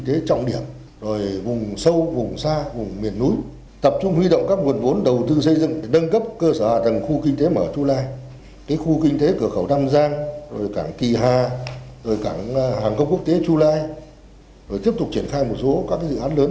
tỉ hà rồi cảng hàng không quốc tế chu lai rồi tiếp tục triển khai một số các dự án lớn